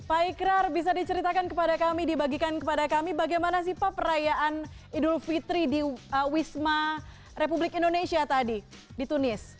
pak ikrar bisa diceritakan kepada kami dibagikan kepada kami bagaimana sih pak perayaan idul fitri di wisma republik indonesia tadi di tunis